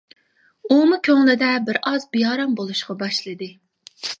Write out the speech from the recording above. ئۇمۇ كۆڭلىدە بىرئاز بىئارام بولۇشقا باشلىدى.